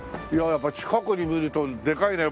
やっぱ近くで見るとでかいね。